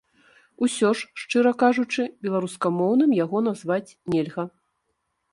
Усё ж, шчыра кажучы, беларускамоўным яго назваць нельга.